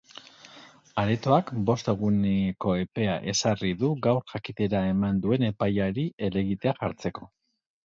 Aretoak bost eguneko epea ezarri du gaur jakitera eman duen epaiari helegitea jartzeko.